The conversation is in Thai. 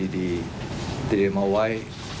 นี่นะครับ